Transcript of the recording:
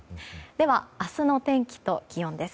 では、明日のお天気と気温です。